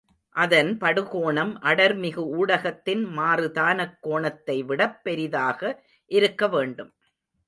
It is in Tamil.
அதன் படுகோணம் அடர்மிகு ஊடகத்தின் மாறுதானக் கோணத்தைவிடப் பெரிதாக இருக்க வேண்டும்.